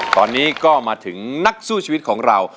ตอนนี้ก็มาถึงนักสู้ชีวิตของเรา